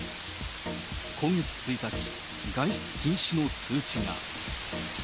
今月１日、外出禁止の通知が。